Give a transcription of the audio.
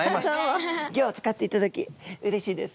ギョを使っていただきうれしいです。